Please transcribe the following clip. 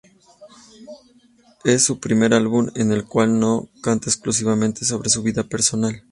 Es su primer álbum en el cual no canta exclusivamente sobre su vida personal.